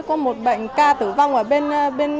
có một bệnh ca tử vong ở bên